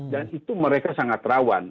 dan itu mereka sangat rawan